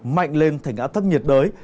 mạnh lên thành áo thấp nhiệt đới